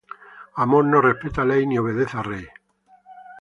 Amor no respeta ley, ni obedece a rey.